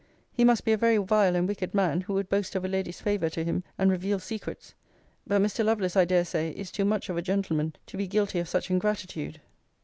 He must be a very vile and wicked man who would boast of a lady's favour to him, and reveal secrets. But Mr. Lovelace, I dare say, is too much of a gentleman to be guilty of such ingratitude.